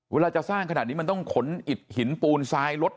เวลาจะสร้างขนาดนี้มันต้องขนอิดหินปูนซ้ายรถ